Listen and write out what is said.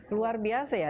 luar biasa ya